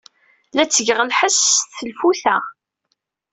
La ttgeɣ lḥess s tseflut-a.